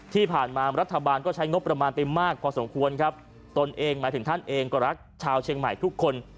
ที่ผ่านมารัฐบาลก็ใช้งบประมาณไปมากพอสมควรครับตนเองหมายถึงท่านเองก็รักชาวเชียงใหม่ทุกคน